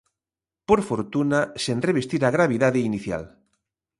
Por fortuna, sen revestir a gravidade inicial.